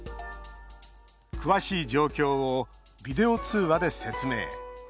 詳しい状況をビデオ通話で説明。